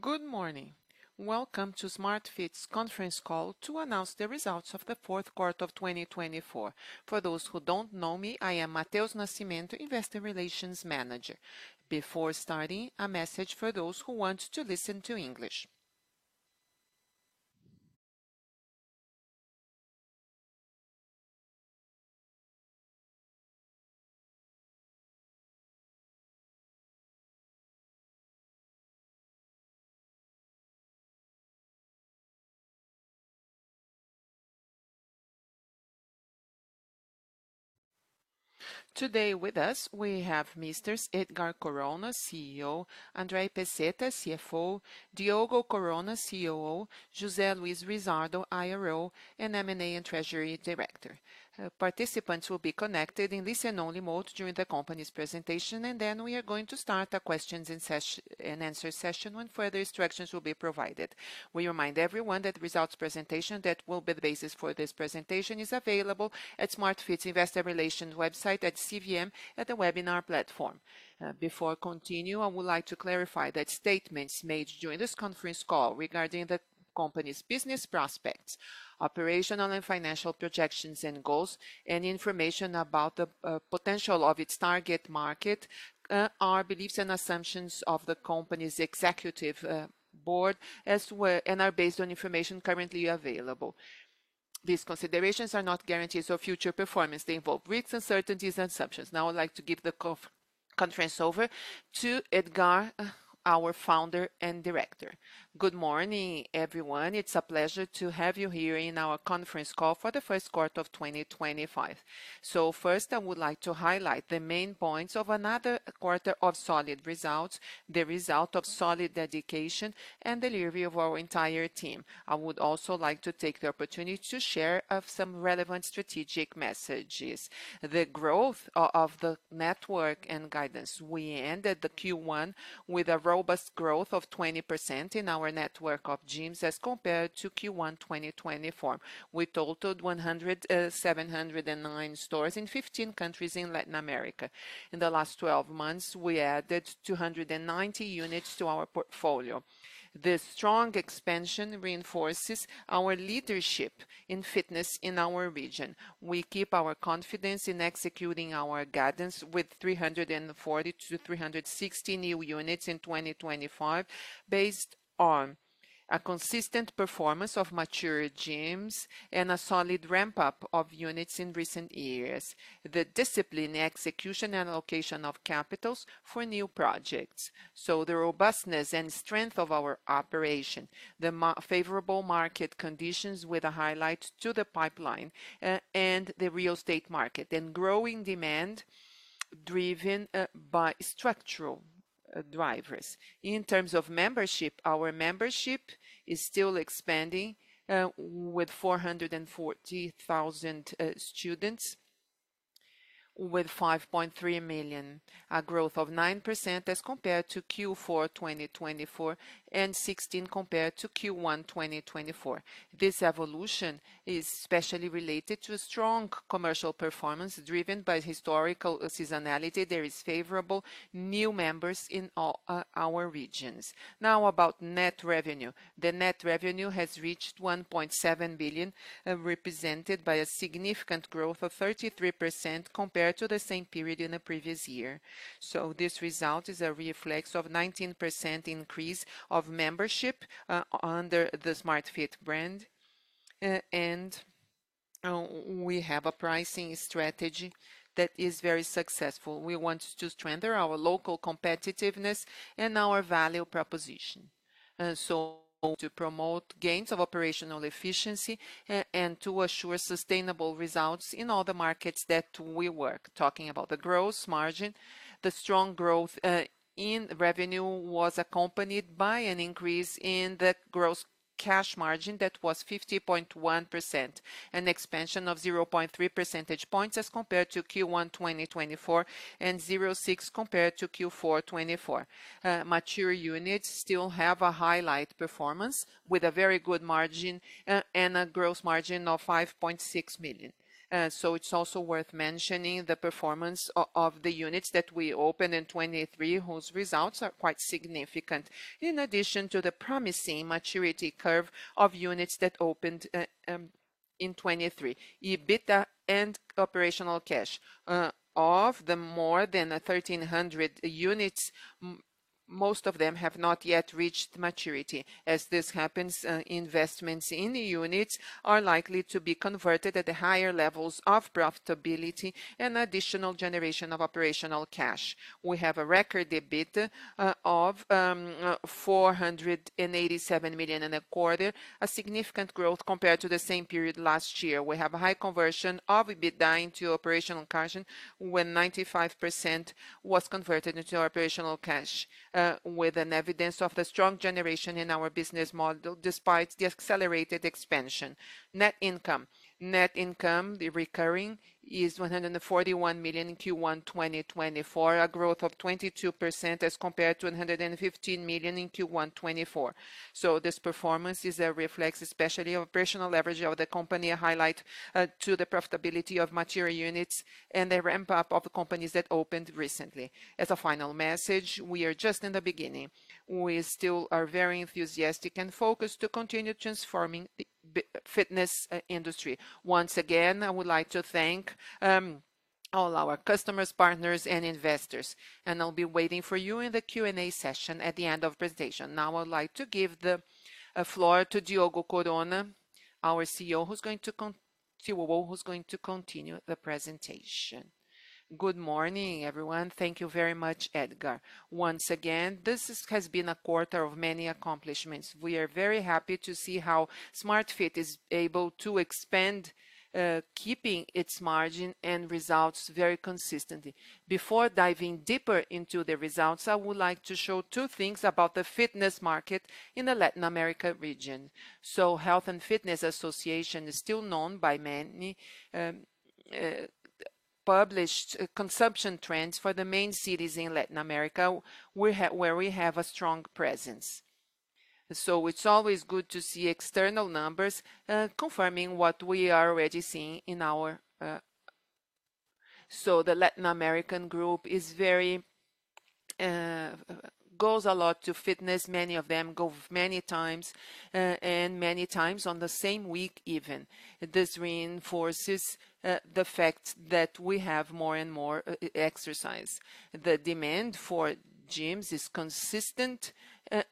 Good morning. Welcome to Smart Fit's Conference Call to announce the results of the fourth quarter of 2024. For those who do not know me, I am Matheus Nascimento, Investor Relations Manager. Before starting, a message for those who want to listen to English. Today with us, we have Mr. Edgard Corona, CEO; André Pezeta, CFO; Diogo Corona, COO; José Luís Rizzardo, IRO and M&A and Treasury Director. Participants will be connected in listen-only mode during the company's presentation, and then we are going to start a questions and answers session when further instructions will be provided. We remind everyone that the results presentation that will be the basis for this presentation is available at Smart Fit's Investor Relations website at CVM at the webinar platform. Before continuing, I would like to clarify that statements made during this conference call regarding the company's business prospects, operational and financial projections and goals, and information about the potential of its target market are beliefs and assumptions of the company's executive board and are based on information currently available. These considerations are not guarantees of future performance. They involve risks, uncertainties, and assumptions. Now I'd like to give the conference over to Edgard, our Founder and Director. Good morning, everyone. It's a pleasure to have you here in our conference call for the first quarter of 2025. First, I would like to highlight the main points of another quarter of solid results, the result of solid dedication and the delivery of our entire team. I would also like to take the opportunity to share some relevant strategic messages. The growth of the network and guidance. We ended the Q1 with a robust growth of 20% in our network of gyms as compared to Q1 2024. We totaled 1,709 stores in 15 countries in Latin America. In the last 12 months, we added 290 units to our portfolio. This strong expansion reinforces our leadership in fitness in our region. We keep our confidence in executing our guidance with 340-360 new units in 2025, based on a consistent performance of mature gyms and a solid ramp-up of units in recent years. The discipline, execution, and allocation of capitals for new projects. The robustness and strength of our operation, the favorable market conditions with a highlight to the pipeline and the real estate market, and growing demand driven by structural drivers. In terms of membership, our membership is still expanding with 440,000 students, with 5.3 million, a growth of 9% as compared to Q4 2024 and 16% compared to Q1 2024. This evolution is especially related to strong commercial performance driven by historical seasonality. There are favorable new members in our regions. Now about net revenue. The net revenue has reached 1.7 billion, represented by a significant growth of 33% compared to the same period in the previous year. This result is a reflex of a 19% increase of membership under the Smart Fit brand. We have a pricing strategy that is very successful. We want to strengthen our local competitiveness and our value proposition. To promote gains of operational efficiency and to assure sustainable results in all the markets that we work. Talking about the gross margin, the strong growth in revenue was accompanied by an increase in the gross cash margin that was 50.1%, an expansion of 0.3 percentage points as compared to Q1 2024 and 0.6 compared to Q4 2024. Mature units still have a highlight performance with a very good margin and a gross margin of 5.6 million. It is also worth mentioning the performance of the units that we opened in 2023, whose results are quite significant, in addition to the promising maturity curve of units that opened in 2023. EBITDA and operational cash of the more than 1,300 units, most of them have not yet reached maturity. As this happens, investments in units are likely to be converted at the higher levels of profitability and additional generation of operational cash. We have a record EBITDA of 487 million in a quarter, a significant growth compared to the same period last year. We have a high conversion of EBITDA into operational cash when 95% was converted into operational cash, with evidence of the strong generation in our business model despite the accelerated expansion. Net income. Net income, the recurring, is 141 million in Q1 2024, a growth of 22% as compared to 115 million in Q1 2023. This performance is a reflex, especially of operational leverage of the company, a highlight to the profitability of mature units and the ramp-up of companies that opened recently. As a final message, we are just in the beginning. We still are very enthusiastic and focused to continue transforming the fitness industry. Once again, I would like to thank all our customers, partners, and investors. I'll be waiting for you in the Q&A session at the end of the presentation. Now I'd like to give the floor to Diogo Corona, our COO, who's going to continue the presentation. Good morning, everyone. Thank you very much, Edgard. Once again, this has been a quarter of many accomplishments. We are very happy to see how Smart Fit is able to expand, keeping its margin and results very consistently. Before diving deeper into the results, I would like to show two things about the fitness market in the Latin America region. Health & Fitness Association is still known by many published consumption trends for the main cities in Latin America where we have a strong presence. It's always good to see external numbers confirming what we are already seeing in our. The Latin American group goes a lot to fitness. Many of them go many times and many times on the same week even. This reinforces the fact that we have more and more exercise. The demand for gyms is consistent,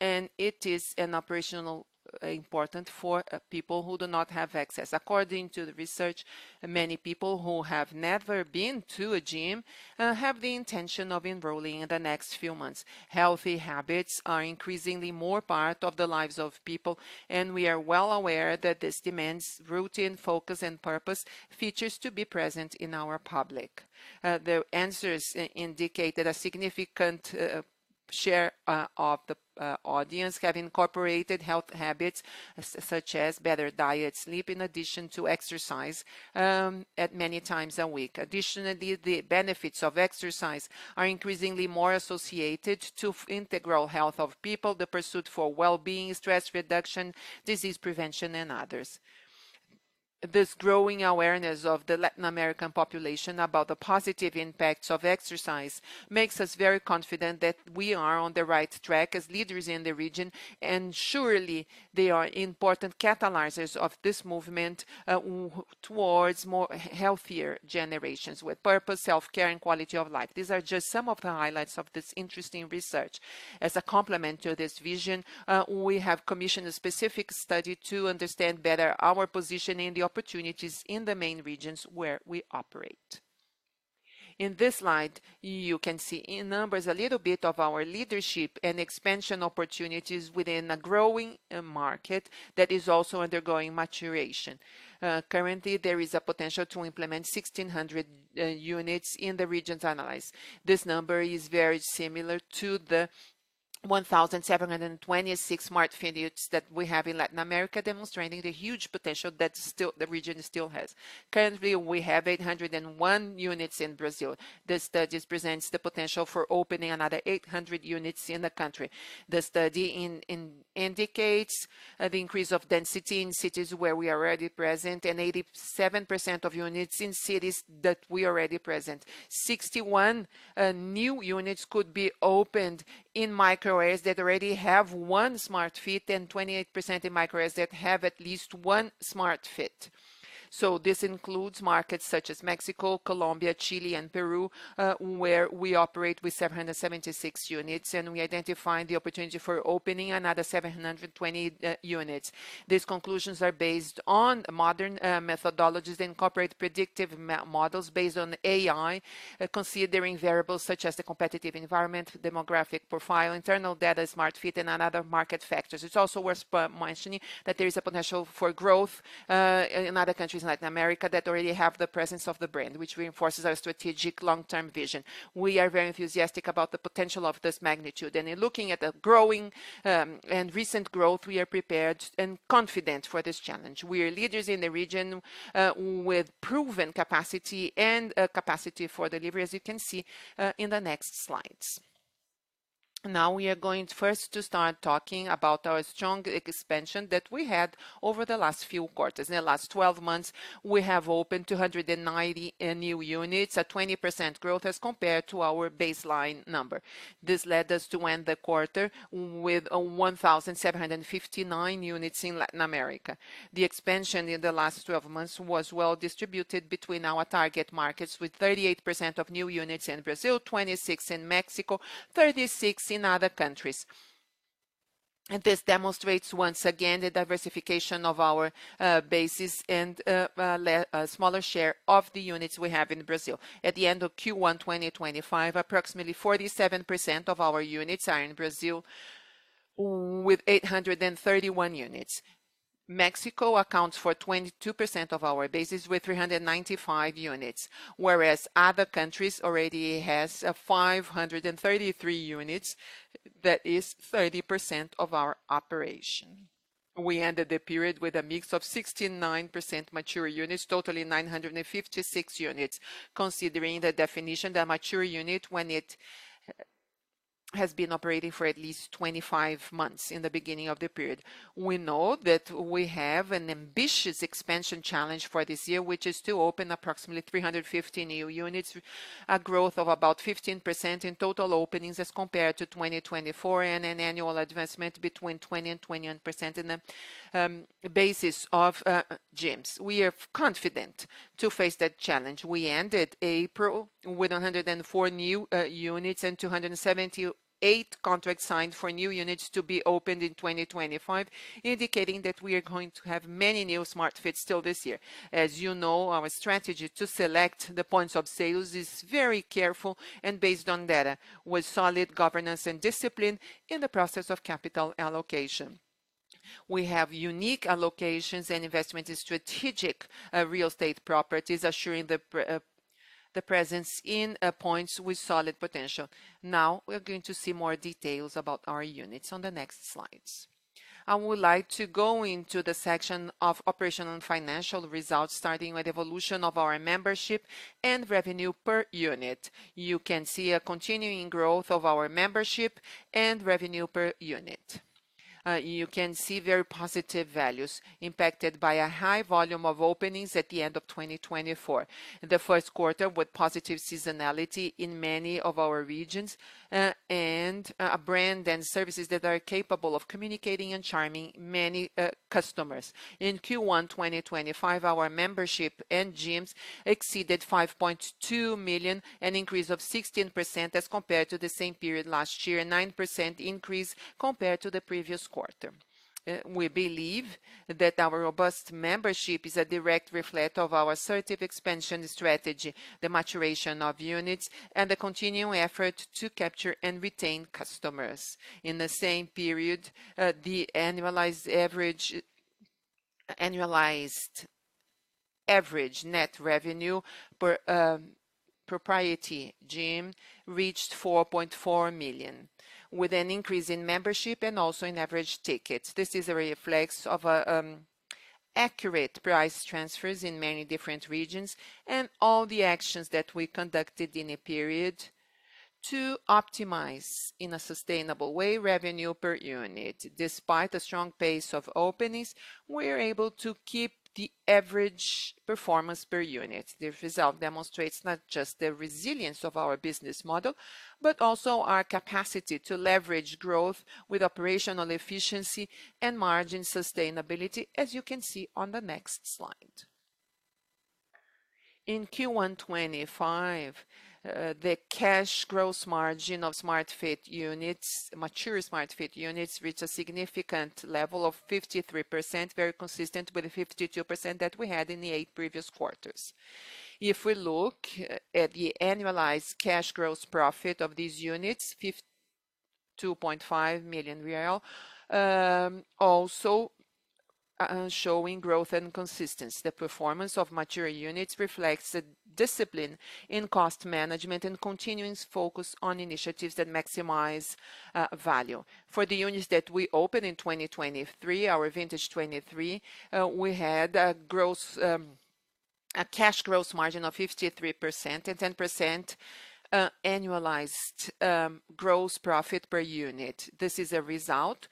and it is operationally important for people who do not have access. According to the research, many people who have never been to a gym have the intention of enrolling in the next few months. Healthy habits are increasingly more part of the lives of people, and we are well aware that this demands, routine, focus, and purpose features to be present in our public. The answers indicate that a significant share of the audience have incorporated health habits such as better diet, sleep, in addition to exercise at many times a week. Additionally, the benefits of exercise are increasingly more associated with the integral health of people, the pursuit for well-being, stress reduction, disease prevention, and others. This growing awareness of the Latin American population about the positive impacts of exercise makes us very confident that we are on the right track as leaders in the region, and surely they are important catalyzers of this movement towards more healthier generations with purpose, self-care, and quality of life. These are just some of the highlights of this interesting research. As a complement to this vision, we have commissioned a specific study to understand better our position and the opportunities in the main regions where we operate. In this slide, you can see in numbers a little bit of our leadership and expansion opportunities within a growing market that is also undergoing maturation. Currently, there is a potential to implement 1,600 units in the region's analysis. This number is very similar to the 1,726 Smart Fit units that we have in Latin America, demonstrating the huge potential that the region still has. Currently, we have 801 units in Brazil. This study presents the potential for opening another 800 units in the country. The study indicates the increase of density in cities where we are already present and 87% of units in cities that we are already present. 61 new units could be opened in micro areas that already have one Smart Fit and 28% in micro areas that have at least one Smar Fit. This includes markets such as Mexico, Colombia, Chile, and Peru, where we operate with 776 units, and we identify the opportunity for opening another 720 units. These conclusions are based on modern methodologies that incorporate predictive models based on AI, considering variables such as the competitive environment, demographic profile, internal data, Smart Fit, and other market factors. It is also worth mentioning that there is a potential for growth in other countries in Latin America that already have the presence of the brand, which reinforces our strategic long-term vision. We are very enthusiastic about the potential of this magnitude. In looking at the growing and recent growth, we are prepared and confident for this challenge. We are leaders in the region with proven capacity and capacity for delivery, as you can see in the next slides. Now we are going first to start talking about our strong expansion that we had over the last few quarters. In the last 12 months, we have opened 290 new units, a 20% growth as compared to our baseline number. This led us to end the quarter with 1,759 units in Latin America. The expansion in the last 12 months was well distributed between our target markets, with 38% of new units in Brazil, 26% in Mexico, and 36% in other countries. This demonstrates once again the diversification of our basis and a smaller share of the units we have in Brazil. At the end of Q1 2025, approximately 47% of our units are in Brazil, with 831 units. Mexico accounts for 22% of our basis, with 395 units, whereas other countries already have 533 units. That is 30% of our operation. We ended the period with a mix of 69% mature units, totaling 956 units, considering the definition that a mature unit is when it has been operating for at least 25 months in the beginning of the period. We know that we have an ambitious expansion challenge for this year, which is to open approximately 350 new units, a growth of about 15% in total openings as compared to 2024, and an annual advancement between 20% and 21% in the basis of gyms. We are confident to face that challenge. We ended April with 104 new units and 278 contracts signed for new units to be opened in 2025, indicating that we are going to have many new Smart Fits still this year. As you know, our strategy to select the points of sales is very careful and based on data, with solid governance and discipline in the process of capital allocation. We have unique allocations and investment in strategic real estate properties, assuring the presence in points with solid potential. Now we're going to see more details about our units on the next slides. I would like to go into the section of operational and financial results, starting with the evolution of our membership and revenue per unit. You can see a continuing growth of our membership and revenue per unit. You can see very positive values impacted by a high volume of openings at the end of 2024. The first quarter with positive seasonality in many of our regions and a brand and services that are capable of communicating and charming many customers. In Q1 2025, our membership and gyms exceeded 5.2 million, an increase of 16% as compared to the same period last year, a 9% increase compared to the previous quarter. We believe that our robust membership is a direct reflect of our assertive expansion strategy, the maturation of units, and the continuing effort to capture and retain customers. In the same period, the annualized average net revenue per propriety gym reached 4.4 million, with an increase in membership and also in average tickets. This is a reflex of accurate price transfers in many different regions and all the actions that we conducted in a period to optimize in a sustainable way revenue per unit. Despite the strong pace of openings, we are able to keep the average performance per unit. The result demonstrates not just the resilience of our business model, but also our capacity to leverage growth with operational efficiency and margin sustainability, as you can see on the next slide. In Q1 2025, the cash gross margin of Smart Fit units, mature Smart Fit units, reached a significant level of 53%, very consistent with the 52% that we had in the eight previous quarters. If we look at the annualized cash gross profit of these units, 52.5 million real, also showing growth and consistency. The performance of mature units reflects the discipline in cost management and continuing focus on initiatives that maximize value. For the units that we opened in 2023, our vintage 2023, we had a cash gross margin of 53% and 10% annualized gross profit per unit. This is a result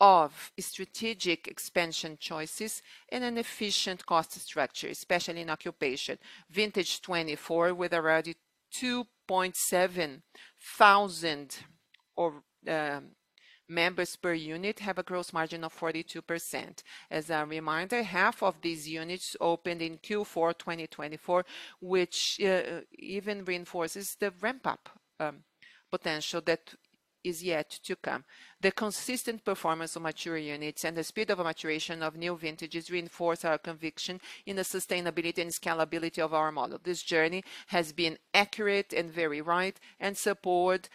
of strategic expansion choices and an efficient cost structure, especially in occupation. Vintage 2024, with already 2,700 members per unit, has a gross margin of 42%. As a reminder, half of these units opened in Q4 2024, which even reinforces the ramp-up potential that is yet to come. The consistent performance of mature units and the speed of maturation of new vintages reinforce our conviction in the sustainability and scalability of our model. This journey has been accurate and very right and supports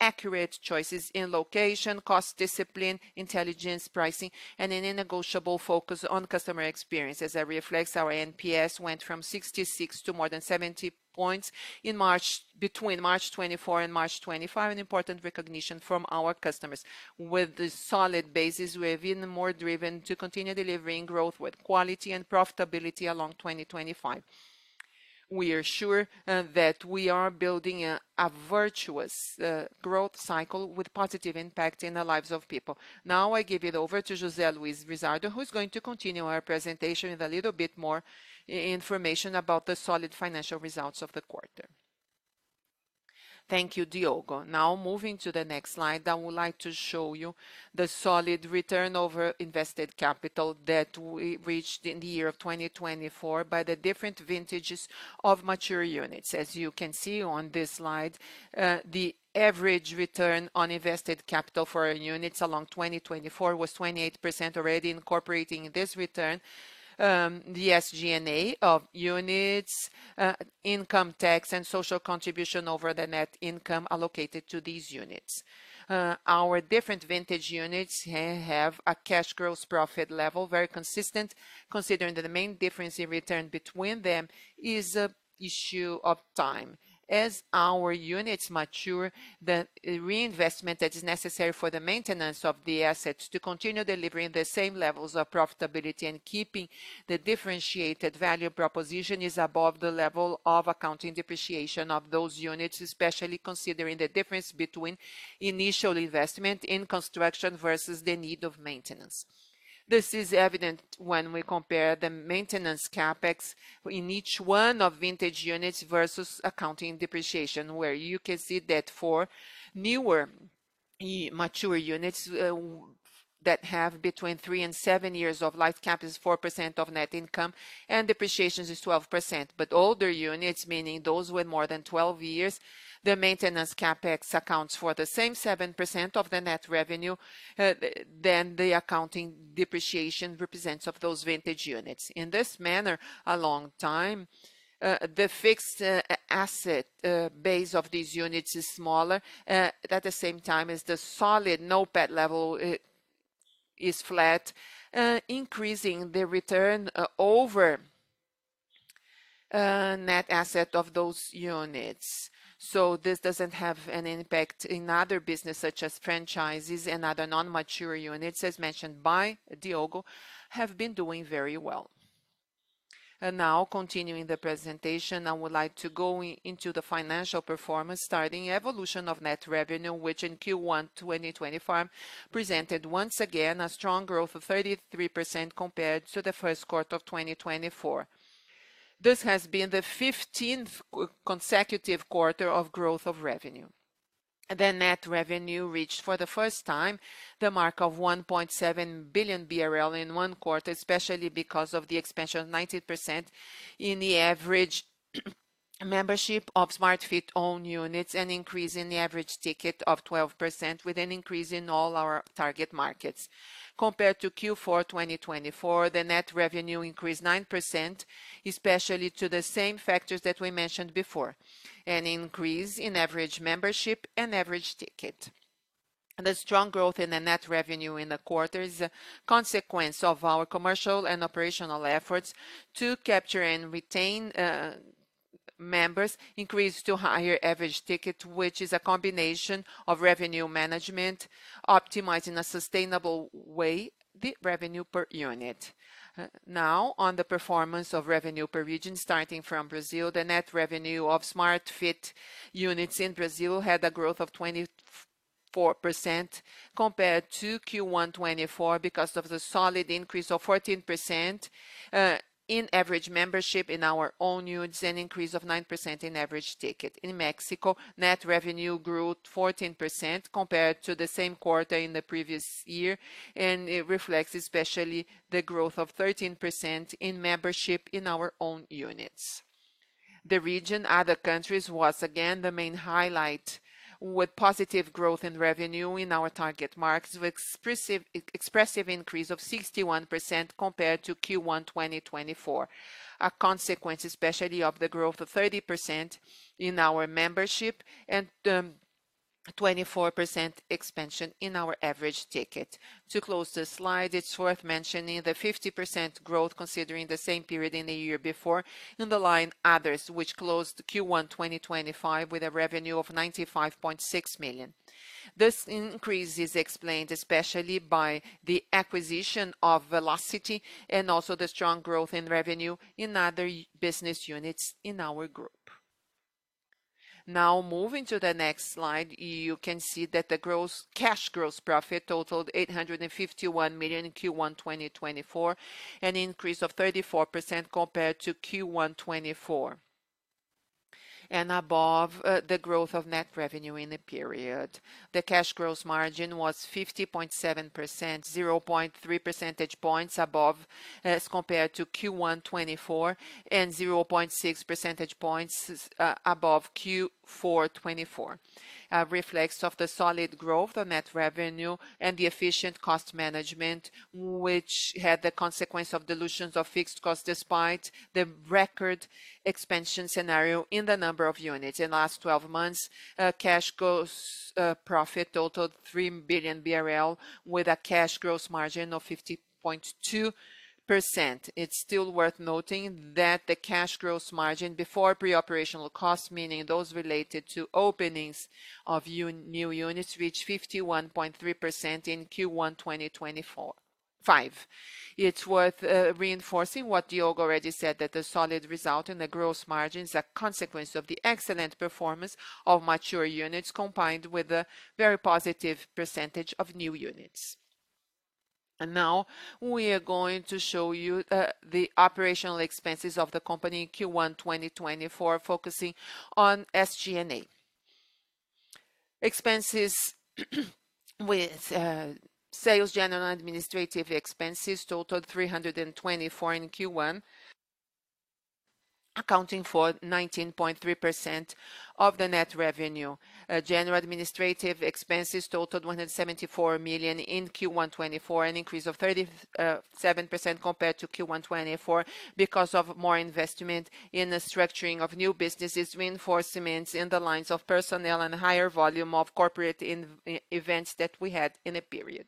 accurate choices in location, cost discipline, intelligence, pricing, and an unnegotiable focus on customer experience. As a reflex, our NPS went from 66 to more than 70 points in March between March 2024 and March 2025, an important recognition from our customers. With the solid basis, we have been more driven to continue delivering growth with quality and profitability along 2025. We are sure that we are building a virtuous growth cycle with positive impact in the lives of people. Now I give it over to José Luís Rizzardo, who is going to continue our presentation with a little bit more information about the solid financial results of the quarter. Thank you, Diogo. Now moving to the next slide, I would like to show you the solid return over invested capital that we reached in the year of 2024 by the different vintages of mature units. As you can see on this slide, the average return on invested capital for our units along 2024 was 28% already, incorporating this return, the SG&A of units, income tax, and social contribution over the net income allocated to these units. Our different vintage units have a cash gross profit level very consistent, considering that the main difference in return between them is an issue of time. As our units mature, the reinvestment that is necessary for the maintenance of the assets to continue delivering the same levels of profitability and keeping the differentiated value proposition is above the level of accounting depreciation of those units, especially considering the difference between initial investment in construction versus the need of maintenance. This is evident when we compare the maintenance CapEx in each one of vintage units versus accounting depreciation, where you can see that for newer mature units that have between three and seven years of life, CapEx is 4% of net income and depreciation is 12%. But older units, meaning those with more than 12 years, the maintenance CapEx accounts for the same 7% of the net revenue than the accounting depreciation represents of those vintage units. In this manner, a long time, the fixed asset base of these units is smaller. At the same time, as the solid NOPAT level is flat, increasing the return over net asset of those units. This does not have an impact in other businesses such as franchises and other non-mature units, as mentioned by Diogo, have been doing very well. Now, continuing the presentation, I would like to go into the financial performance, starting the evolution of net revenue, which in Q1 2025 presented once again a strong growth of 33% compared to the first quarter of 2024. This has been the 15th consecutive quarter of growth of revenue. The net revenue reached for the first time the mark of 1.7 billion BRL in one quarter, especially because of the expansion of 90% in the average membership of Smart Fit-owned units and an increase in the average ticket of 12%, with an increase in all our target markets. Compared to Q4 2024, the net revenue increased 9%, especially to the same factors that we mentioned before, an increase in average membership and average ticket. The strong growth in the net revenue in the quarter is a consequence of our commercial and operational efforts to capture and retain members, increased to higher average ticket, which is a combination of revenue management, optimizing a sustainable way the revenue per unit. Now, on the performance of revenue per region, starting from Brazil, the net revenue of Smar Fit units in Brazil had a growth of 24% compared to Q1 2024 because of the solid increase of 14% in average membership in our own units and an increase of 9% in average ticket. In Mexico, net revenue grew 14% compared to the same quarter in the previous year, and it reflects especially the growth of 13% in membership in our own units. The region, other countries, was again the main highlight with positive growth in revenue in our target markets, with an expressive increase of 61% compared to Q1 2024, a consequence especially of the growth of 30% in our membership and 24% expansion in our average ticket. To close the slide, it's worth mentioning the 50% growth, considering the same period in the year before, underlining others, which closed Q1 2025 with a revenue of 95.6 million. This increase is explained especially by the acquisition of Velocity and also the strong growth in revenue in other business units in our group. Now, moving to the next slide, you can see that the cash gross profit totaled 851 million in Q1 2024, an increase of 34% compared to Q1 2024, and above the growth of net revenue in the period. The cash gross margin was 50.7%, 0.3 percentage points above as compared to Q1 2024 and 0.6 percentage points above Q4 2024, a reflex of the solid growth of net revenue and the efficient cost management, which had the consequence of dilutions of fixed costs despite the record expansion scenario in the number of units. In the last 12 months, cash gross profit totaled 3 billion BRL with a cash gross margin of 50.2%. It's still worth noting that the cash gross margin before pre-operational costs, meaning those related to openings of new units, reached 51.3% in Q1 2025. It's worth reinforcing what Diogo already said, that the solid result in the gross margin is a consequence of the excellent performance of mature units combined with a very positive percentage of new units. We are going to show you the operational expenses of the company in Q1 2024, focusing on SG&A. Expenses with sales, general, and administrative expenses totaled 324 million in Q1, accounting for 19.3% of the net revenue. General administrative expenses totaled 174 million in Q1 2024, an increase of 37% compared to Q1 2023 because of more investment in the structuring of new businesses, reinforcements in the lines of personnel, and higher volume of corporate events that we had in the period.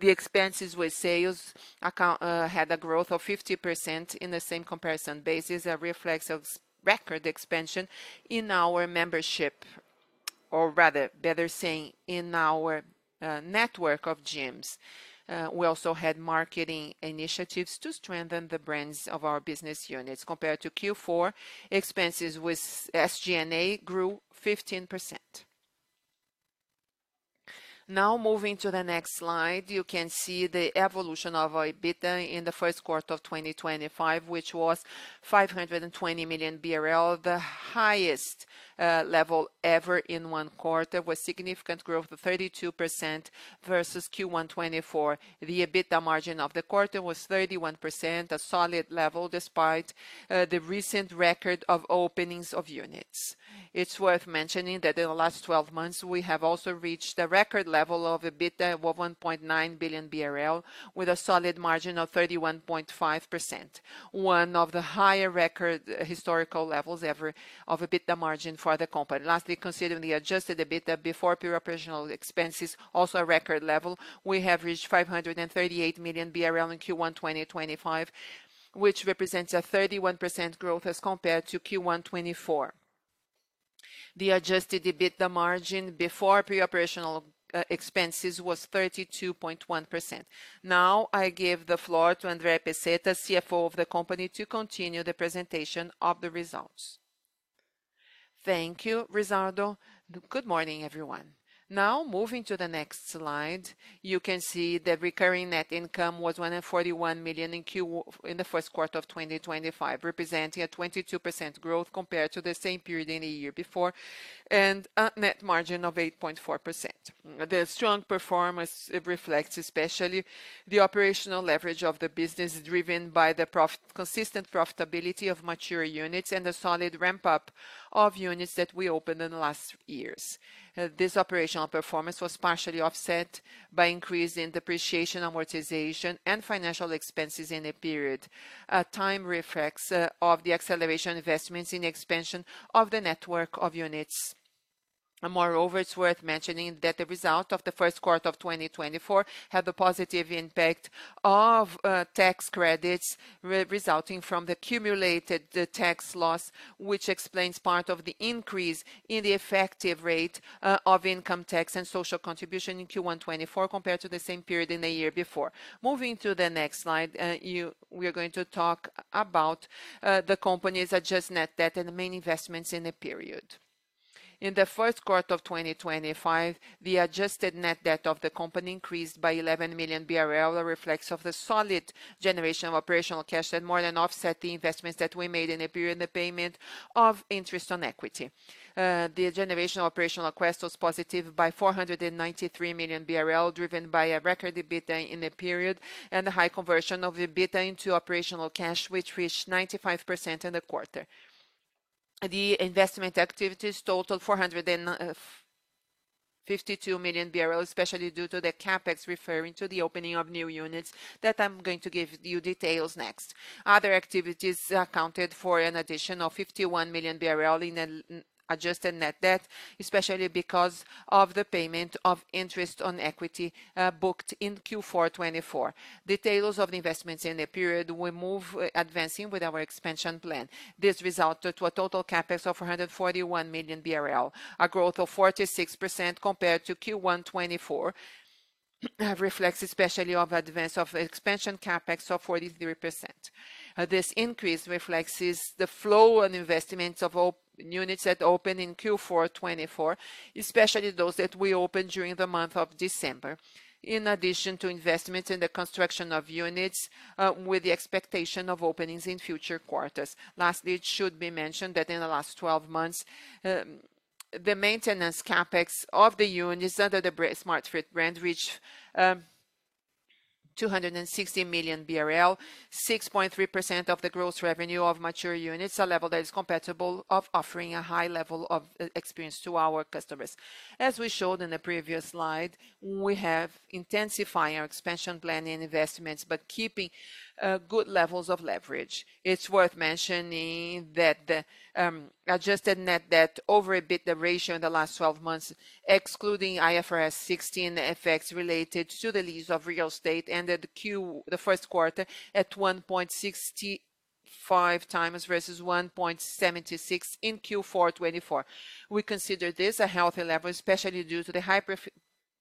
The expenses with sales had a growth of 50% in the same comparison basis, a reflex of record expansion in our membership, or rather, better saying, in our network of gyms. We also had marketing initiatives to strengthen the brands of our business units. Compared to Q4, expenses with SG&A grew 15%. Now, moving to the next slide, you can see the evolution of EBITDA in the first quarter of 2025, which was 520 million BRL, the highest level ever in one quarter, with significant growth of 32% versus Q1 2024. The EBITDA margin of the quarter was 31%, a solid level despite the recent record of openings of units. It's worth mentioning that in the last 12 months, we have also reached the record level of EBITDA of 1.9 billion BRL, with a solid margin of 31.5%, one of the higher record historical levels ever of EBITDA margin for the company. Lastly, considering the adjusted EBITDA before pre-operational expenses, also a record level, we have reached 538 million BRL in Q1 2025, which represents a 31% growth as compared to Q1 2024. The adjusted EBITDA margin before pre-operational expenses was 32.1%. Now, I give the floor to André Pezeta, CFO of the company, to continue the presentation of the results. Thank you, Rizzardo. Good morning, everyone. Now, moving to the next slide, you can see the recurring net income was 141 million in the first quarter of 2025, representing a 22% growth compared to the same period in the year before and a net margin of 8.4%. The strong performance reflects especially the operational leverage of the business driven by the consistent profitability of mature units and the solid ramp-up of units that we opened in the last years. This operational performance was partially offset by increase in depreciation, amortization, and financial expenses in the period. A time reflects the acceleration of investments in the expansion of the network of units. Moreover, it's worth mentioning that the result of the first quarter of 2024 had the positive impact of tax credits resulting from the cumulated tax loss, which explains part of the increase in the effective rate of income tax and social contribution in Q1 2024 compared to the same period in the year before. Moving to the next slide, we are going to talk about the company's adjusted net debt and the main investments in a period. In the first quarter of 2025, the adjusted net debt of the company increased by 11 million BRL, a reflex of the solid generation of operational cash that more than offset the investments that we made in a period in the payment of interest on equity. The generation of operational cash was positive by 493 million BRL, driven by a record EBITDA in a period and the high conversion of EBITDA into operational cash, which reached 95% in the quarter. The investment activities totaled 452 million BRL, especially due to the CapEx referring to the opening of new units that I'm going to give you details next. Other activities accounted for an addition of 51 million BRL in adjusted net debt, especially because of the payment of interest on equity booked in Q4 2024. Details of the investments in a period, we move advancing with our expansion plan. This resulted to a total CapEx of 441 million BRL, a growth of 46% compared to Q1 2024, a reflex especially of advance of expansion CapEx of 43%. This increase reflects the flow on investments of units that open in Q4 2024, especially those that we opened during the month of December, in addition to investments in the construction of units with the expectation of openings in future quarters. Lastly, it should be mentioned that in the last 12 months, the maintenance CapEx of the units under the Smart Fit brand reached 260 million BRL, 6.3% of the gross revenue of mature units, a level that is compatible with offering a high level of experience to our customers. As we showed in the previous slide, we have intensified our expansion plan and investments, but keeping good levels of leverage. It's worth mentioning that the adjusted net debt over EBITDA ratio in the last 12 months, excluding IFRS 16 effects related to the lease of real estate, ended the first quarter at 1.65 times versus 1.76 in Q4 2024. We consider this a healthy level, especially due to the high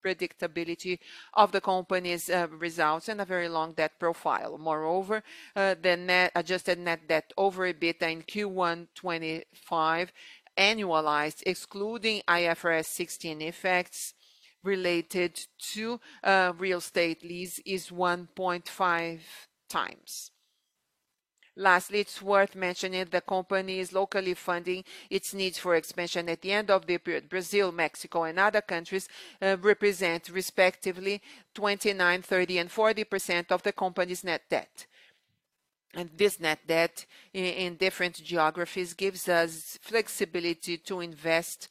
predictability of the company's results and a very long debt profile. Moreover, the adjusted net debt over EBITDA in Q1 2025 annualized, excluding IFRS 16 effects related to real estate lease, is 1.5 times. Lastly, it is worth mentioning the company is locally funding its needs for expansion at the end of the period. Brazil, Mexico, and other countries represent respectively 29%, 30%, and 40% of the company's net debt. This net debt in different geographies gives us flexibility to invest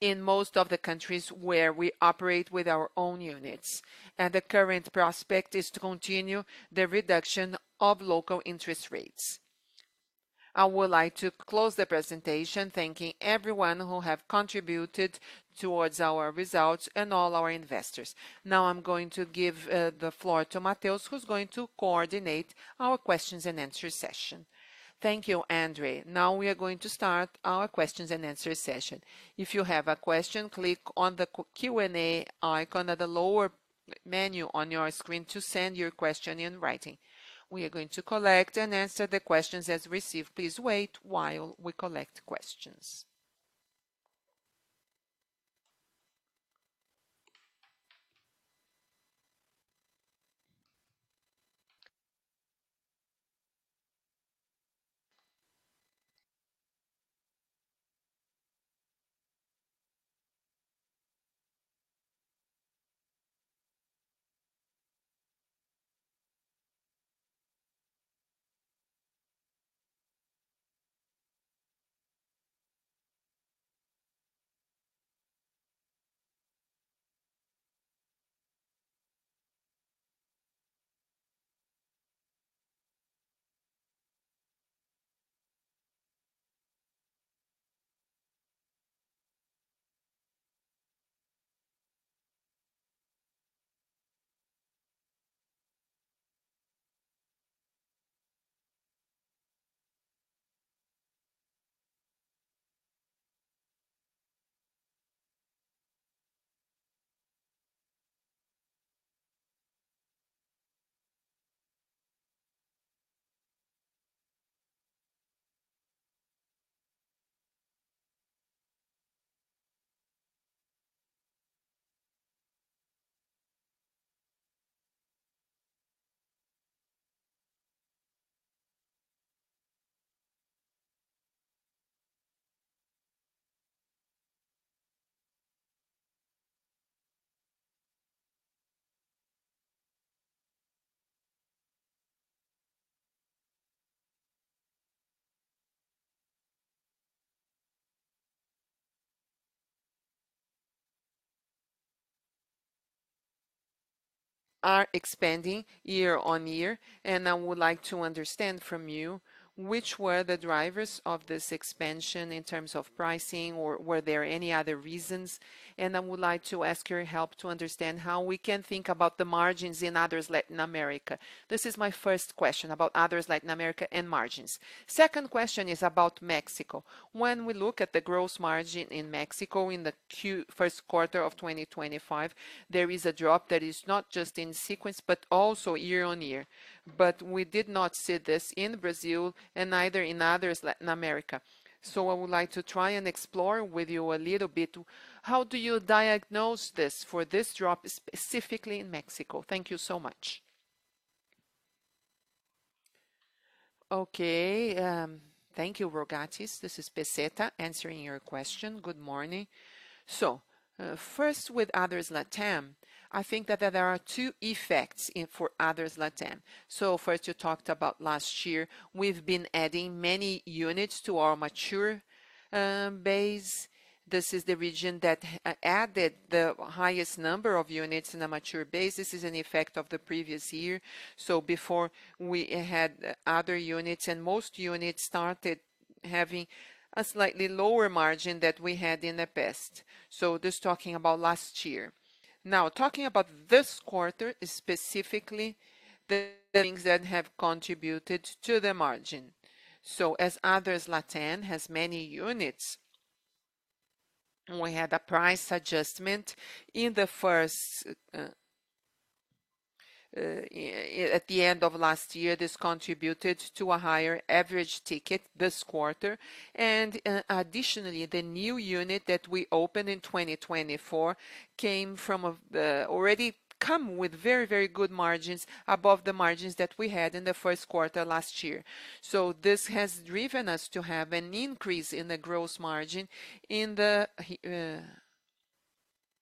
in most of the countries where we operate with our own units. The current prospect is to continue the reduction of local interest rates. I would like to close the presentation thanking everyone who has contributed towards our results and all our investors. Now I'm going to give the floor to Matheus, who's going to coordinate our questions and answers session. Thank you, André. Now we are going to start our questions and answers session. If you have a question, click on the Q&A icon at the lower menu on your screen to send your question in writing. We are going to collect and answer the questions as received. Please wait while we collect questions. Are expanding YoY, and I would like to understand from you which were the drivers of this expansion in terms of pricing, or were there any other reasons? I would like to ask your help to understand how we can think about the margins in others Latin America. This is my first question about others Latin America and margins. Second question is about Mexico. When we look at the gross margin in Mexico in the first quarter of 2025, there is a drop that is not just in sequence, but also YoY. We did not see this in Brazil and neither in other Latin America. I would like to try and explore with you a little bit how do you diagnose this for this drop specifically in Mexico. Thank you so much. Okay, thank you, Rogatis. This is Pezeta answering your question. Good morning. First, with other LatAm, I think that there are two effects for other LatAm. First, you talked about last year, we have been adding many units to our mature base. This is the region that added the highest number of units in a mature base. This is an effect of the previous year. Before we had other units, and most units started having a slightly lower margin than we had in the past. This is talking about last year. Now, talking about this quarter specifically, the things that have contributed to the margin. As others, Latin America has many units, we had a price adjustment at the end of last year. This contributed to a higher average ticket this quarter. Additionally, the new unit that we opened in 2024 came already with very, very good margins above the margins that we had in the first quarter last year. This has driven us to have an increase in the gross margin in the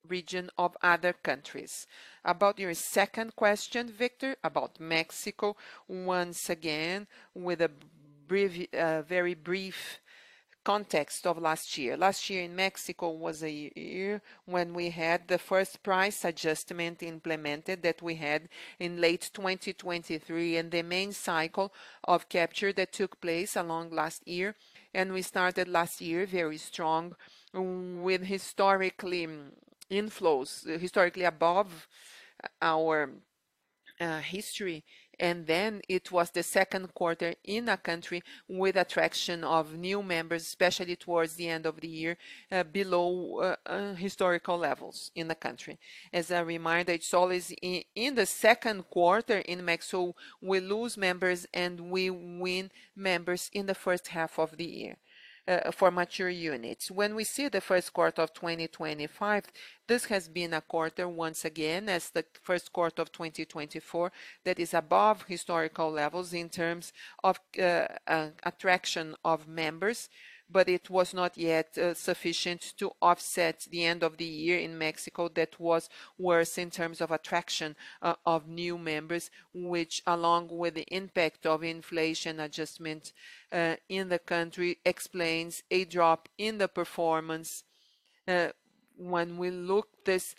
region of other countries. About your second question, Victor, about Mexico, once again, with a very brief context of last year. Last year in Mexico was a year when we had the first price adjustment implemented that we had in late 2023, and the main cycle of capture that took place along last year. We started last year very strong with historically inflows, historically above our history. It was the second quarter in a country with attraction of new members, especially towards the end of the year, below historical levels in the country. As a reminder, it is always in the second quarter in Mexico, we lose members and we win members in the first half of the year for mature units. When we see the first quarter of 2025, this has been a quarter once again as the first quarter of 2024 that is above historical levels in terms of attraction of members, but it was not yet sufficient to offset the end of the year in Mexico that was worse in terms of attraction of new members, which along with the impact of inflation adjustment in the country explains a drop in the performance when we look at this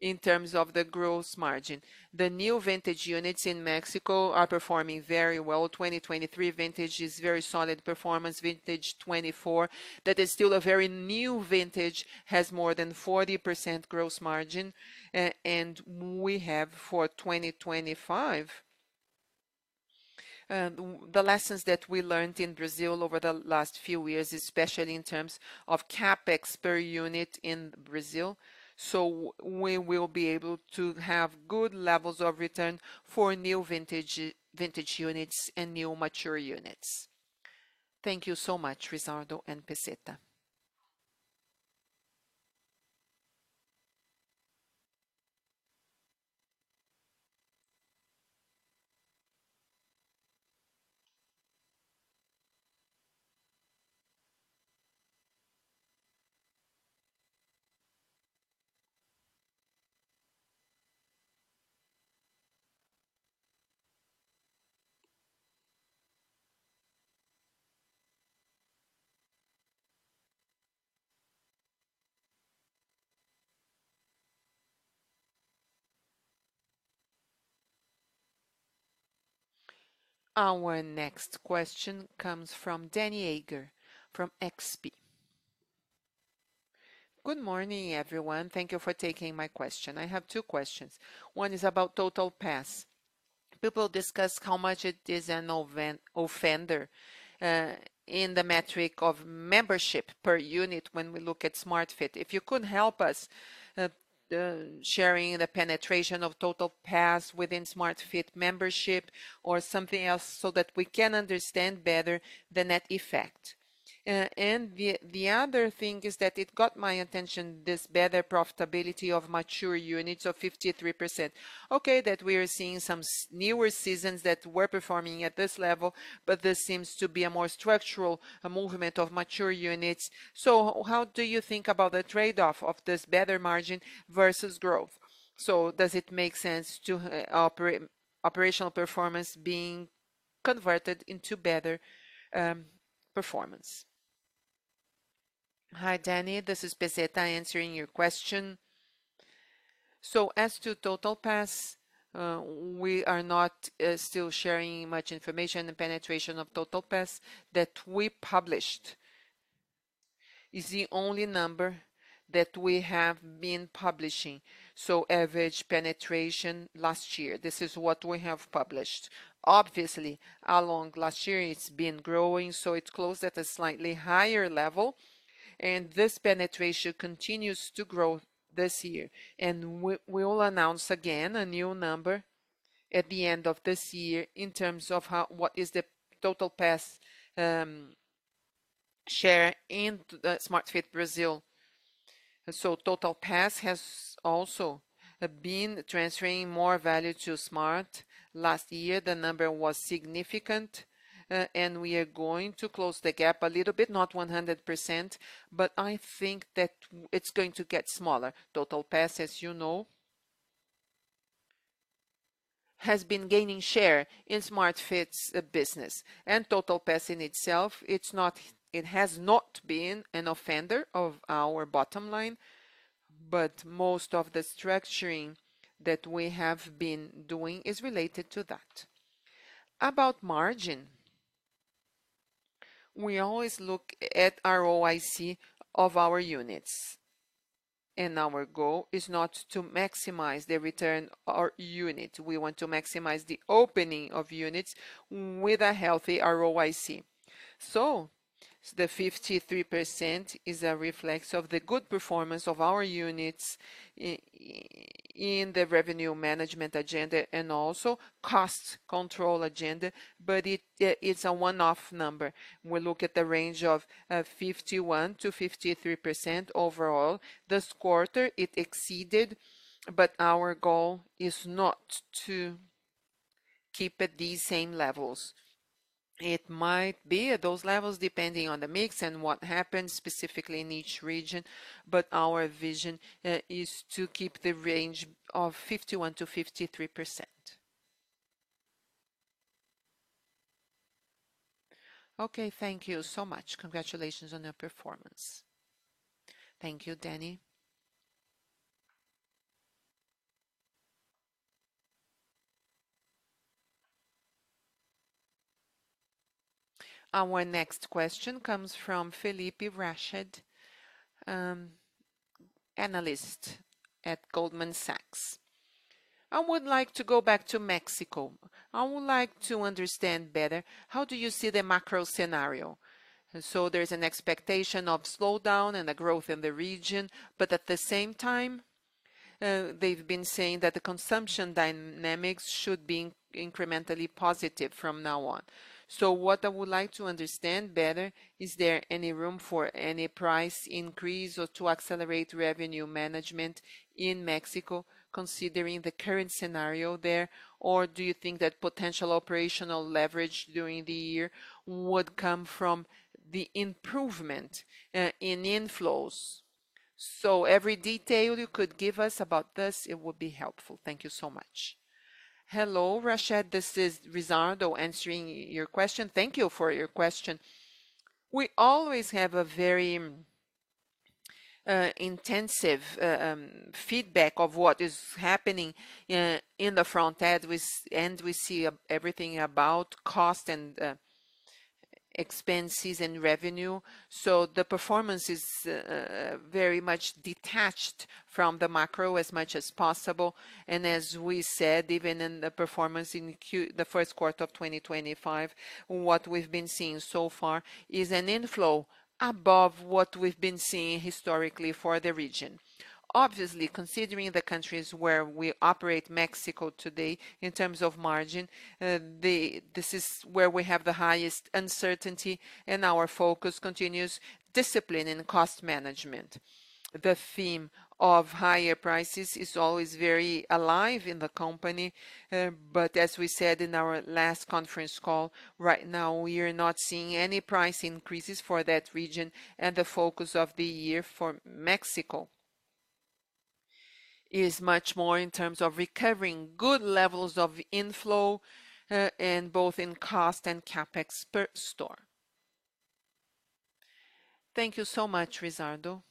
in terms of the gross margin. The new vintage units in Mexico are performing very well. 2023 vintage is very solid performance. Vintage 2024, that is still a very new vintage, has more than 40% gross margin, and we have for 2025. The lessons that we learned in Brazil over the last few years, especially in terms of CapEx per unit in Brazil. We will be able to have good levels of return for new vintage units and new mature units. Thank you so much, Rizzardo and Pezeta. Our next question comes from Danny Ager from XP. Good morning, everyone. Thank you for taking my question. I have two questions. One is about TotalPass. People discuss how much it is an offender in the metric of membership per unit when we look at Smart Fit. If you could help us sharing the penetration of TotalPass within Smart Fit membership or something else so that we can understand better the net effect. The other thing is that it got my attention, this better profitability of mature units of 53%. Okay, we are seeing some newer seasons that were performing at this level, but this seems to be a more structural movement of mature units. How do you think about the trade-off of this better margin versus growth? Does it make sense to operational performance being converted into better performance? Hi, Danny. This is Pezeta answering your question. As to TotalPass, we are not still sharing much information on the penetration of TotalPass that we published. It is the only number that we have been publishing. Average penetration last year, this is what we have published. Obviously, along last year, it has been growing, so it closed at a slightly higher level, and this penetration continues to grow this year. We will announce again a new number at the end of this year in terms of what is the TotalPass share in Smart Fit Brazil. TotalPass has also been transferring more value to Smart last year. The number was significant, and we are going to close the gap a little bit, not 100%, but I think that it's going to get smaller. TotalPass, as you know, has been gaining share in Smart Fit's business. And TotalPass in itself, it has not been an offender of our bottom line, but most of the structuring that we have been doing is related to that. About margin, we always look at ROIC of our units, and our goal is not to maximize the return of units. We want to maximize the opening of units with a healthy ROIC. So the 53% is a reflex of the good performance of our units in the revenue management agenda and also cost control agenda, but it's a one-off number. We look at the range of 51%-53% overall. This quarter, it exceeded, but our goal is not to keep at these same levels. It might be at those levels depending on the mix and what happens specifically in each region, but our vision is to keep the range of 51%-53%. Okay, thank you so much. Congratulations on your performance. Thank you, Danny. Our next question comes from Felipe Rached, analyst at Goldman Sachs. I would like to go back to Mexico. I would like to understand better how do you see the macro scenario. There is an expectation of slowdown and a growth in the region, but at the same time, they have been saying that the consumption dynamics should be incrementally positive from now on. What I would like to understand better, is there any room for any price increase or to accelerate revenue management in Mexico considering the current scenario there, or do you think that potential operational leverage during the year would come from the improvement in inflows? Every detail you could give us about this, it would be helpful. Thank you so much. Hello, Rached. This is Rizzardo answering your question. Thank you for your question. We always have a very intensive feedback of what is happening in the front end, and we see everything about cost and expenses and revenue. The performance is very much detached from the macro as much as possible. As we said, even in the performance in the first quarter of 2025, what we've been seeing so far is an inflow above what we've been seeing historically for the region. Obviously, considering the countries where we operate, Mexico today, in terms of margin, this is where we have the highest uncertainty, and our focus continues discipline and cost management. The theme of higher prices is always very alive in the company, but as we said in our last conference call, right now we are not seeing any price increases for that region, and the focus of the year for Mexico is much more in terms of recovering good levels of inflow and both in cost and CapEx per store. Thank you so much, Rizzardo.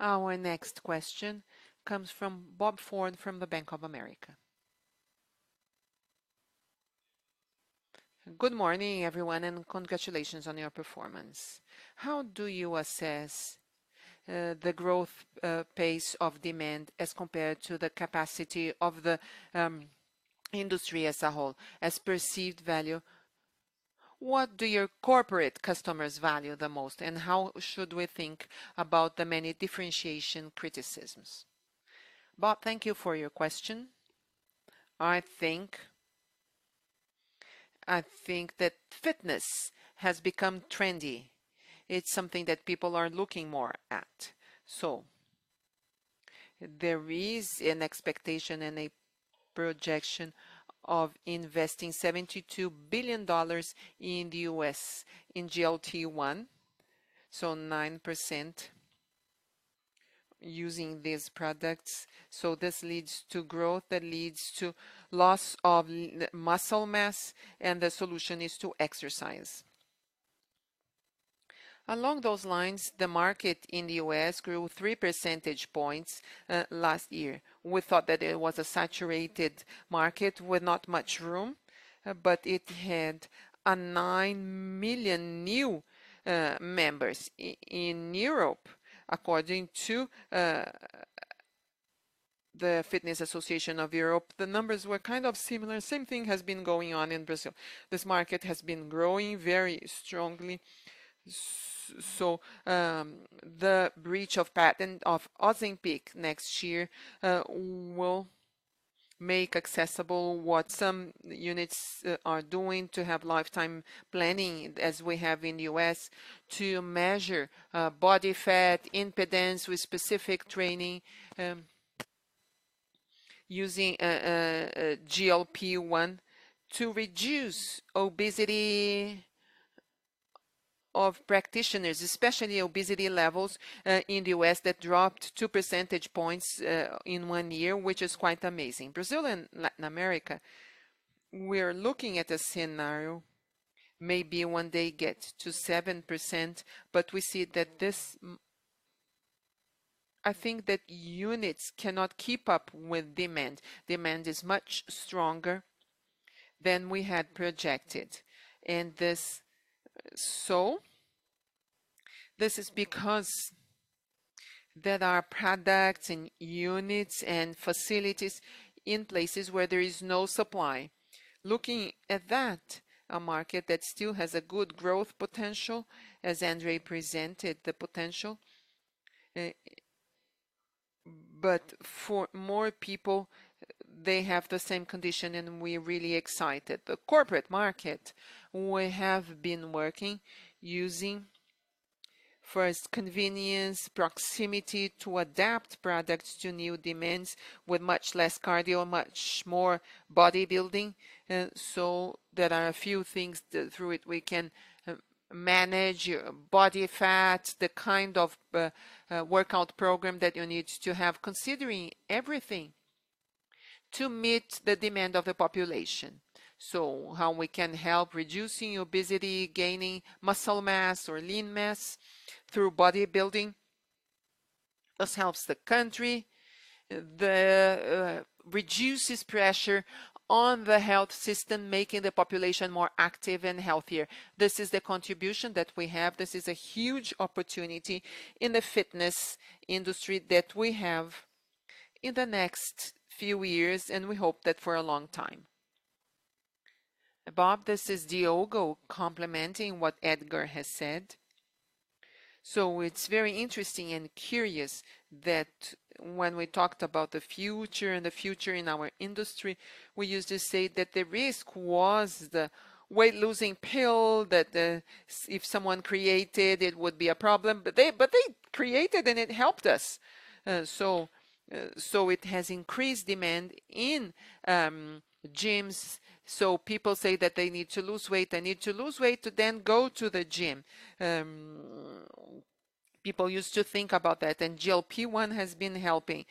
Our next question comes from Bob Thornton from the Bank of America. Good morning, everyone, and congratulations on your performance. How do you assess the growth pace of demand as compared to the capacity of the industry as a whole, as perceived value? What do your corporate customers value the most, and how should we think about the many differentiation criticisms? Bob, thank you for your question. I think that fitness has become trendy. It's something that people are looking more at. There is an expectation and a projection of investing $72 billion in the U.S. in GLP-1, so 9% using these products. This leads to growth that leads to loss of muscle mass, and the solution is to exercise. Along those lines, the market in the U.S. grew 3 percentage points last year. We thought that it was a saturated market with not much room, but it had 9 million new members. In Europe, according to the Fitness Association of Europe, the numbers were kind of similar. Same thing has been going on in Brazil. This market has been growing very strongly. The breach of patent of Ozempic next year will make accessible what some units are doing to have lifetime planning as we have in the U.S. to measure body fat impedance with specific training using GLP-1 to reduce obesity of practitioners, especially obesity levels in the U.S. that dropped 2 percentage points in one year, which is quite amazing. Brazil and Latin America, we are looking at a scenario maybe one day get to 7%, but we see that this, I think that units cannot keep up with demand. Demand is much stronger than we had projected. This is because there are products and units and facilities in places where there is no supply. Looking at that, a market that still has a good growth potential, as André presented the potential, but for more people, they have the same condition, and we are really excited. The corporate market, we have been working using first convenience, proximity to adapt products to new demands with much less cardio, much more bodybuilding. There are a few things through which we can manage body fat, the kind of workout program that you need to have considering everything to meet the demand of the population. How we can help reducing obesity, gaining muscle mass or lean mass through bodybuilding. This helps the country, reduces pressure on the health system, making the population more active and healthier. This is the contribution that we have. This is a huge opportunity in the fitness industry that we have in the next few years, and we hope that for a long time. Bob, this is Diogo complementing what Edgard has said. It is very interesting and curious that when we talked about the future and the future in our industry, we used to say that the risk was the weight losing pill that if someone created, it would be a problem, but they created and it helped us. It has increased demand in gyms. People say that they need to lose weight, they need to lose weight to then go to the gym. People used to think about that, and GLP-1 has been helping.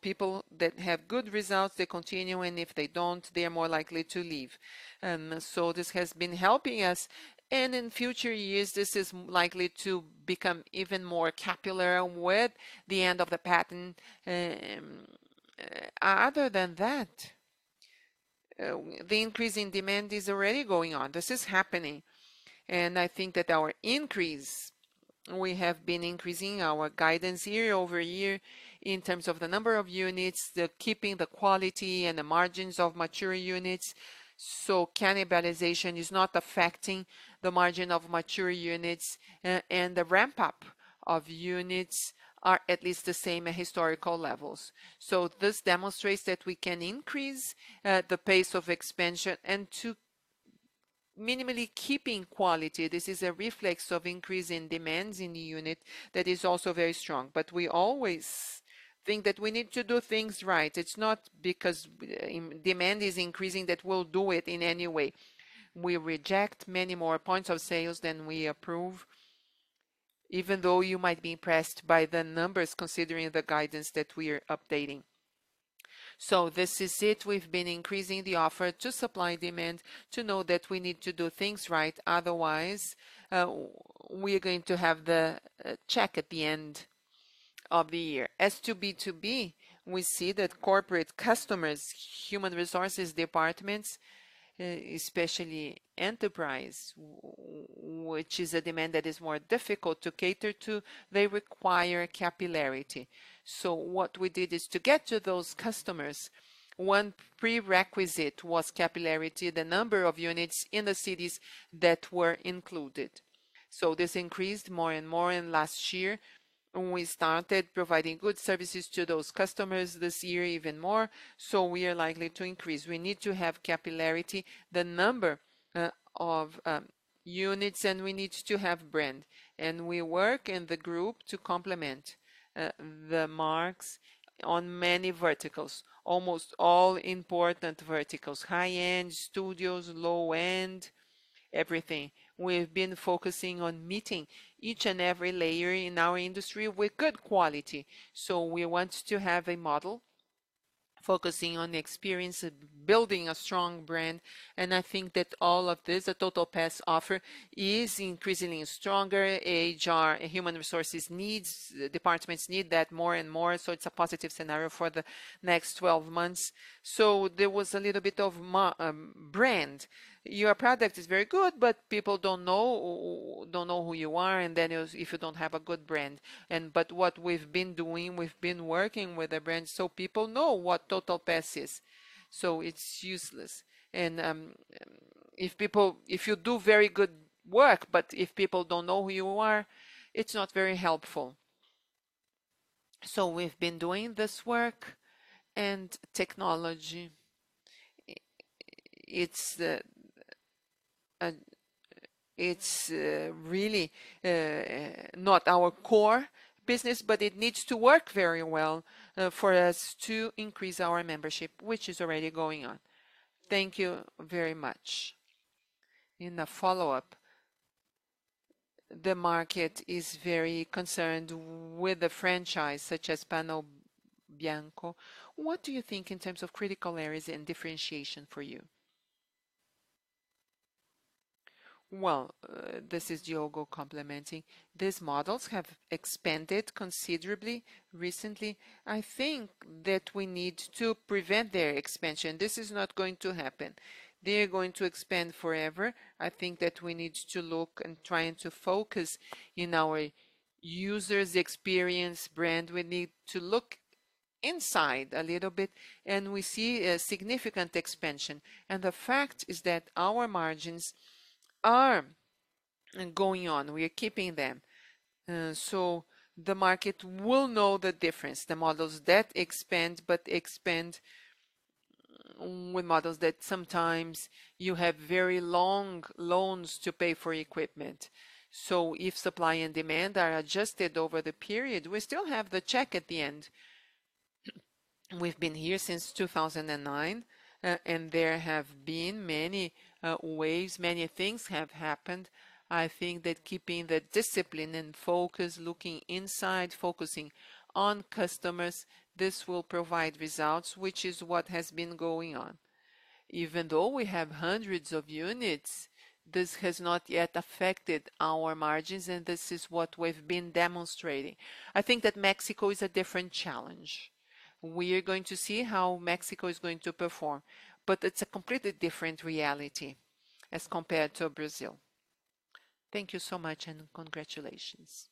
People that have good results, they continue, and if they do not, they are more likely to leave. This has been helping us, and in future years, this is likely to become even more popular with the end of the patent. Other than that, the increase in demand is already going on. This is happening, and I think that our increase, we have been increasing our guidance year over year in terms of the number of units, keeping the quality and the margins of mature units. Cannibalization is not affecting the margin of mature units, and the ramp-up of units are at least the same historical levels. This demonstrates that we can increase the pace of expansion and to minimally keeping quality. This is a reflex of increasing demands in the unit that is also very strong, but we always think that we need to do things right. It's not because demand is increasing that we'll do it in any way. We reject many more points of sales than we approve, even though you might be impressed by the numbers considering the guidance that we are updating. This is it. We've been increasing the offer to supply demand to know that we need to do things right. Otherwise, we are going to have the check at the end of the year. As to B2B, we see that corporate customers, human resources departments, especially enterprise, which is a demand that is more difficult to cater to, they require capillarity. What we did is to get to those customers. One prerequisite was capillarity, the number of units in the cities that were included. This increased more and more in last year. We started providing good services to those customers this year even more. We are likely to increase. We need to have capillarity, the number of units, and we need to have brand. We work in the group to complement the marks on many verticals, almost all important verticals, high-end studios, low-end, everything. We've been focusing on meeting each and every layer in our industry with good quality. We want to have a model focusing on experience, building a strong brand. I think that all of this, the TotalPass offer is increasingly stronger. HR, human resources needs, departments need that more and more. It is a positive scenario for the next 12 months. There was a little bit of brand. Your product is very good, but people do not know who you are, and then if you do not have a good brand. What we have been doing, we have been working with a brand so people know what TotalPass is. It is useless if you do very good work, but if people do not know who you are, it is not very helpful. We have been doing this work and technology. It's really not our core business, but it needs to work very well for us to increase our membership, which is already going on. Thank you very much. In a follow-up, the market is very concerned with the franchise such as Panobianco. What do you think in terms of critical areas and differentiation for you? This is Diogo complementing. These models have expanded considerably recently. I think that we need to prevent their expansion. This is not going to happen. They're going to expand forever. I think that we need to look and try and to focus in our users' experience brand. We need to look inside a little bit, and we see a significant expansion. The fact is that our margins are going on. We are keeping them. The market will know the difference, the models that expand, but expand with models that sometimes you have very long loans to pay for equipment. If supply and demand are adjusted over the period, we still have the check at the end. We've been here since 2009, and there have been many ways, many things have happened. I think that keeping the discipline and focus, looking inside, focusing on customers, this will provide results, which is what has been going on. Even though we have hundreds of units, this has not yet affected our margins, and this is what we've been demonstrating. I think that Mexico is a different challenge. We are going to see how Mexico is going to perform, but it's a completely different reality as compared to Brazil. Thank you so much and congratulations.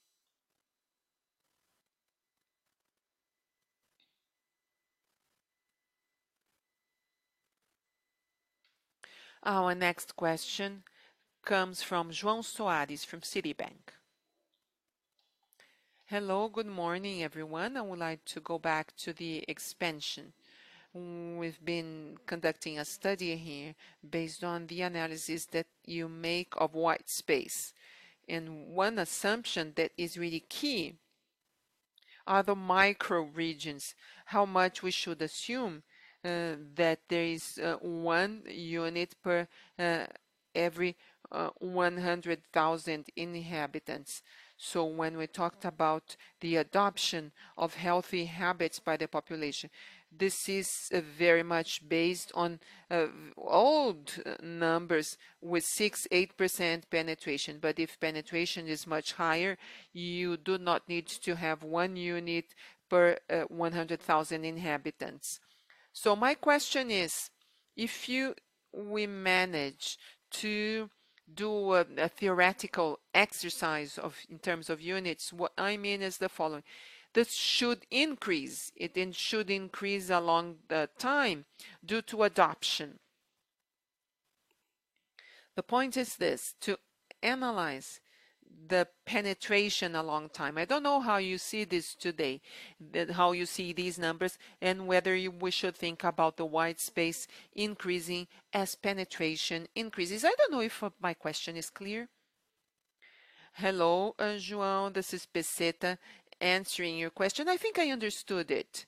Our next question comes from João Soares from Citibank. Hello, good morning everyone. I would like to go back to the expansion. We've been conducting a study here based on the analysis that you make of white space. One assumption that is really key are the micro regions, how much we should assume that there is one unit per every 100,000 inhabitants. When we talked about the adoption of healthy habits by the population, this is very much based on old numbers with 6%, 8% penetration. If penetration is much higher, you do not need to have one unit per 100,000 inhabitants. My question is, if we manage to do a theoretical exercise in terms of units, what I mean is the following. This should increase. It should increase along the time due to adoption. The point is this: to analyze the penetration a long time. I don't know how you see this today, how you see these numbers and whether we should think about the white space increasing as penetration increases. I don't know if my question is clear. Hello, João, this is Pezeta answering your question. I think I understood it.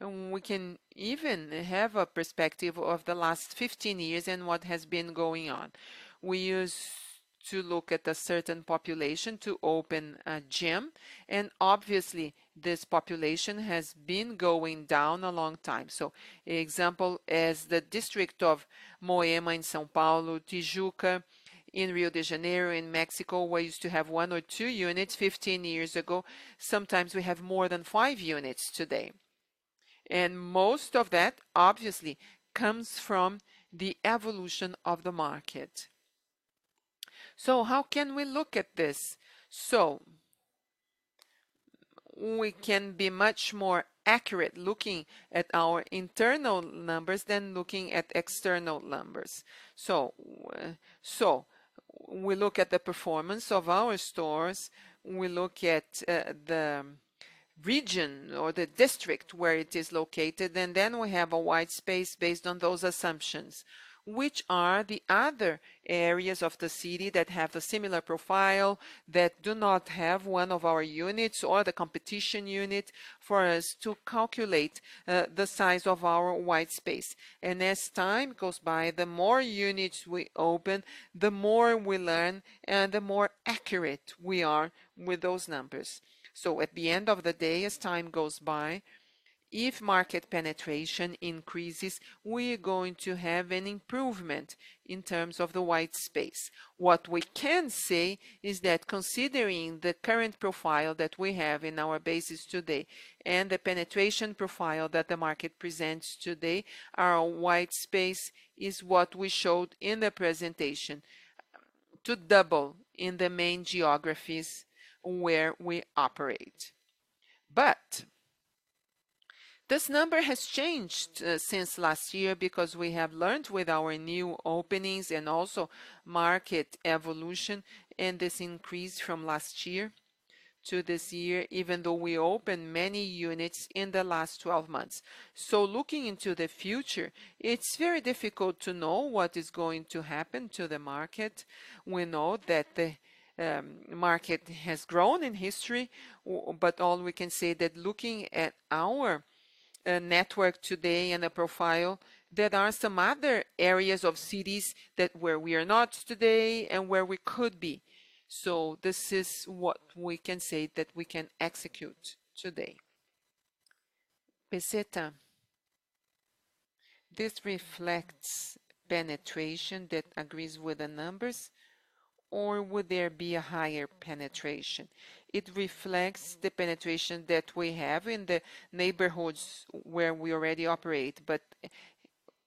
We can even have a perspective of the last 15 years and what has been going on. We used to look at a certain population to open a gym, and obviously this population has been going down a long time. For example, the district of Moema in São Paulo, Tijuca in Rio de Janeiro, in Mexico, we used to have one or two units 15 years ago. Sometimes we have more than five units today. Most of that obviously comes from the evolution of the market. How can we look at this? We can be much more accurate looking at our internal numbers than looking at external numbers. We look at the performance of our stores, we look at the region or the district where it is located, and then we have a white space based on those assumptions, which are the other areas of the city that have a similar profile that do not have one of our units or the competition unit for us to calculate the size of our white space. As time goes by, the more units we open, the more we learn, and the more accurate we are with those numbers. At the end of the day, as time goes by, if market penetration increases, we are going to have an improvement in terms of the white space. What we can say is that considering the current profile that we have in our basis today and the penetration profile that the market presents today, our white space is what we showed in the presentation to double in the main geographies where we operate. This number has changed since last year because we have learned with our new openings and also market evolution and this increase from last year to this year, even though we opened many units in the last 12 months. Looking into the future, it's very difficult to know what is going to happen to the market. We know that the market has grown in history, but all we can say is that looking at our network today and a profile, there are some other areas of cities where we are not today and where we could be. This is what we can say that we can execute today. Pezeta, this reflects penetration that agrees with the numbers, or would there be a higher penetration? It reflects the penetration that we have in the neighborhoods where we already operate, but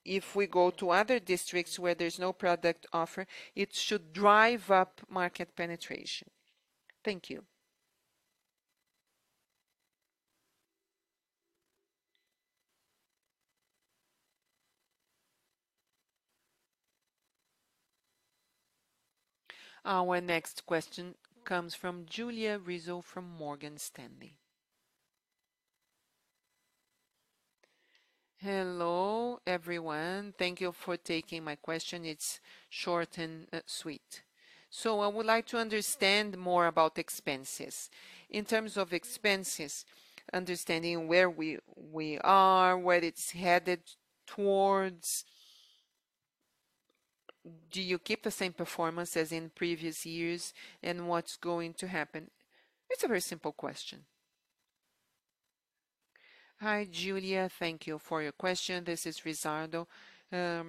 if we go to other districts where there is no product offer, it should drive up market penetration. Thank you. Our next question comes from Julia Rizzo from Morgan Stanley. Hello everyone. Thank you for taking my question. It is short and sweet. I would like to understand more about expenses. In terms of expenses, understanding where we are, where it is headed towards, do you keep the same performance as in previous years, and what is going to happen? It is a very simple question. Hi, Julia. Thank you for your question. This is Rizzardo. I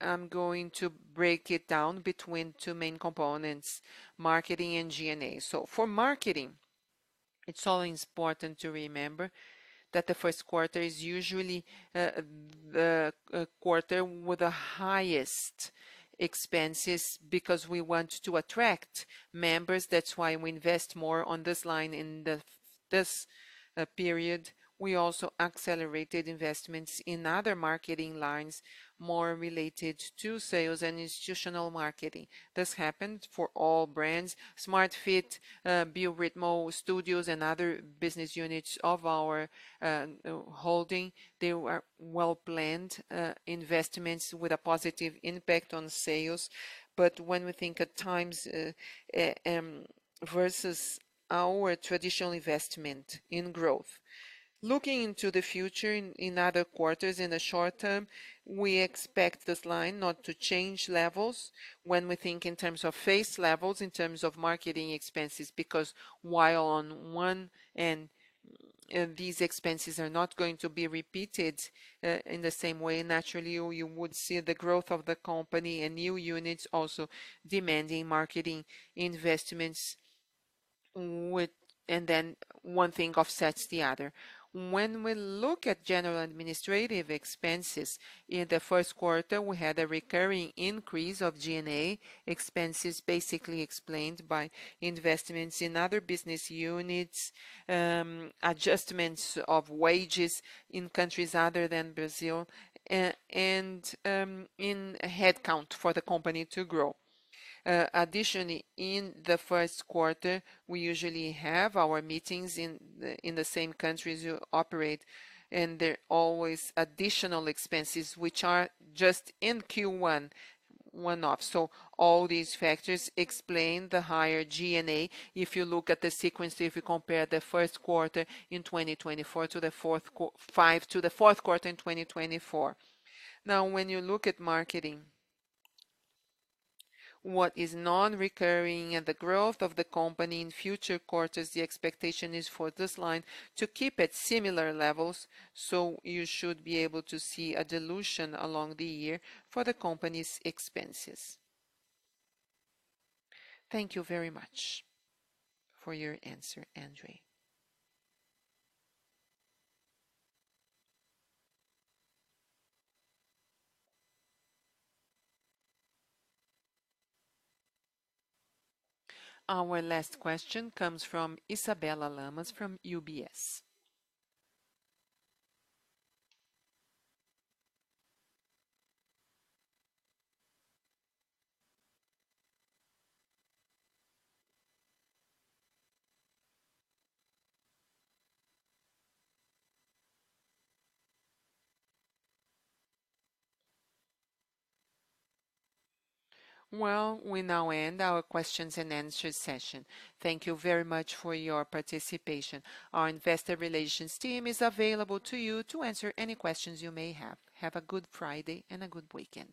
am going to break it down between two main components, marketing and G&A. For marketing, it's always important to remember that the first quarter is usually the quarter with the highest expenses because we want to attract members. That's why we invest more on this line in this period. We also accelerated investments in other marketing lines more related to sales and institutional marketing. This happened for all brands, Smart Fit, Bio Ritmo, studios, and other business units of our holding. They were well-planned investments with a positive impact on sales. When we think at times versus our traditional investment in growth, looking into the future in other quarters in the short term, we expect this line not to change levels when we think in terms of phase levels, in terms of marketing expenses, because while on one hand these expenses are not going to be repeated in the same way, naturally you would see the growth of the company and new units also demanding marketing investments. One thing offsets the other. When we look at general administrative expenses, in the first quarter, we had a recurring increase of G&A expenses, basically explained by investments in other business units, adjustments of wages in countries other than Brazil, and in headcount for the company to grow. Additionally, in the first quarter, we usually have our meetings in the same countries you operate, and there are always additional expenses which are just in Q1 one-off. All these factors explain the higher G&A if you look at the sequence, if you compare the first quarter in 2025 to the fourth quarter in 2024. Now, when you look at marketing, what is non-recurring and the growth of the company in future quarters, the expectation is for this line to keep at similar levels. You should be able to see a dilution along the year for the company's expenses. Thank you very much for your answer, André. Our last question comes from Isabella Lamas from UBS. We now end our questions and answers session. Thank you very much for your participation. Our Investor Relations team is available to you to answer any questions you may have. Have a good Friday and a good weekend.